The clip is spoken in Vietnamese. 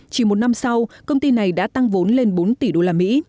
chỉ một năm sau công ty này đã tăng vốn lên bốn tỷ đô la mỹ